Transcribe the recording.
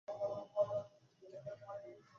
এমনই একটা শীতের দিনে আমাদের দেখা হয়েছিলো!